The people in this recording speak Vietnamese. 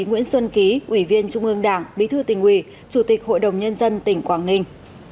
nguyễn xuân ký ủy viên trung ương đảng bí thư tỉnh ủy chủ tịch hội đồng nhân dân tỉnh quảng ninh